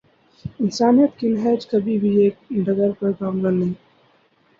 انسانیت کی نہج کبھی بھی ایک ڈگر پر گامزن نہیں